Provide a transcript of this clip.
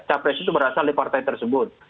capres itu berasal dari partai tersebut